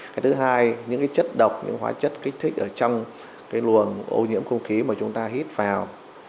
cái thứ hai những chất độc những hóa chất kích thích ở trong luồng ô nhiễm không khí mà chúng ta hít vào